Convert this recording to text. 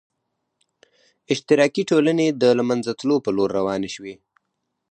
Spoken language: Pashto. اشتراکي ټولنې د له منځه تلو په لور روانې شوې.